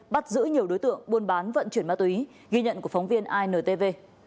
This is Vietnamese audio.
bắt giữ nhiều đối tượng buôn bán vận chuyển ma túy ghi nhận của phóng viên intv